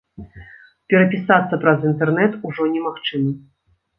Перапісацца праз інтэрнэт ужо немагчыма.